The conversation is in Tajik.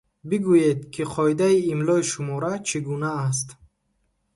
Бигӯед, ки қоидаи имлои шумора чӣ гуна аст?